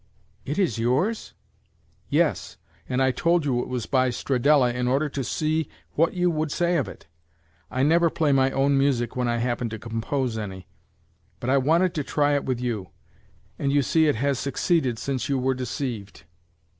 "It is yours?" "Yes, and I told you it was by Stradella, in order to see what you would say of it. I never play my own music, when I happen to compose any; but I wanted to try it with you, and you see it has succeeded, since you were deceived."